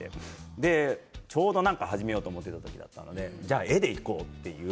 ちょうど始めようと思っていた時だったのでじゃあ、絵でいこうと思って。